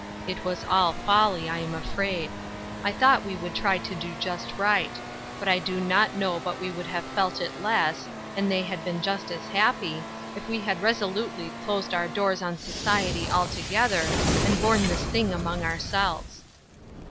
" It was all folly, I am afraid. I thought we would try to do just right ; but I do not know but we would have felt it less, and they been just as happy, if we had resolutely closed our doors on society altogether, and borne tliis thing among ourselves."